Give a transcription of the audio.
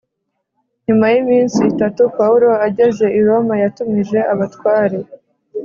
Nyuma y’iminsi itatu Pawulo ageze i Roma yatumije abatware